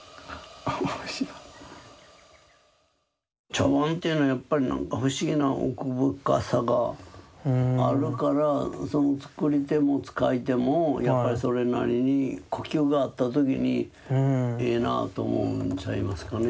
茶碗っていうのはやっぱりなんか不思議な奥深さがあるからその作り手も使い手もやっぱりそれなりに呼吸が合った時にええなあと思うんちゃいますかね。